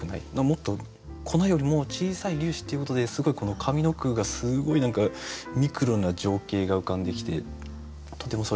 もっと粉よりも小さい「粒子」っていうことですごいこの上の句がすごい何かミクロな情景が浮かんできてとてもそれが美しい歌だと思います。